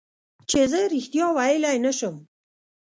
چې زه رښتیا ویلی نه شم.